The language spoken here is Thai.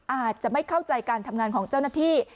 อาจจะไม่เข้าใจการทำงานของเจ้าหน้าที่